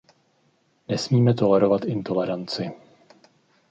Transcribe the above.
Nesmíme tolerovat intoleranci.